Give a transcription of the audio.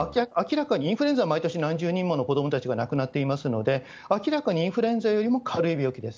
明らかに、インフルエンザは毎年何十人もの子どもたちが亡くなっていますので、明らかにインフルエンザよりも軽い病気です。